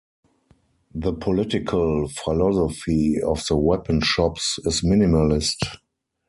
The political philosophy of the Weapon Shops is minimalist.